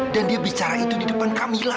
dan dia bicara itu di depan kamila